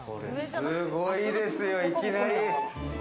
すごいですよ、いきなり。